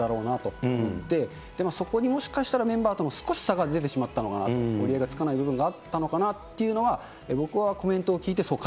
思って、そこにもしかしたら、メンバーと少し差が出てしまったのかなと、折り合いがつかない部分があったのかなという部分は、僕はコメン